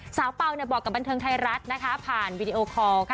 เปล่าบอกกับบันเทิงไทยรัฐนะคะผ่านวีดีโอคอลค่ะ